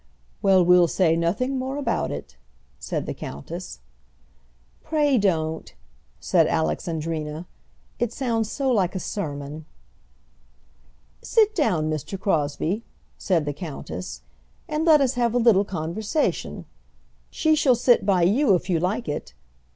"Well; we'll say nothing more about it," said the countess. "Pray don't," said Alexandrina. "It sounds so like a sermon." "Sit down, Mr. Crosbie," said the countess, "and let us have a little conversation. She shall sit by you, if you like it.